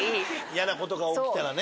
嫌な事が起きたらね。